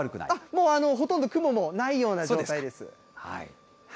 もう、ほとんど雲もないような状態です。